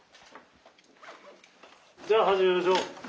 じゃあ始めましょう。